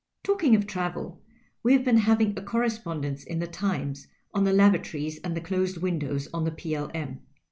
Talkiuf,' of travel, we have been having a corre spondence in 2'he Times on the lavatories and the closed windows on the P.L.M.